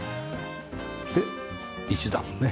で１段ね。